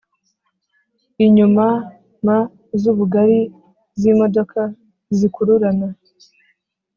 inyuma m , zubugari z' imodoka zikururana